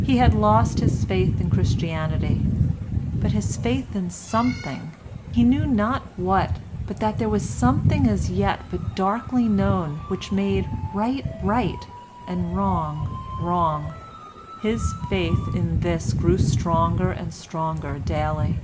He had lost his faith in Christianity, but his faith in something—he knew not what, but that there was a something as yet but darkly known which made right right and wrong wrong—his faith in this grew stronger and stronger daily.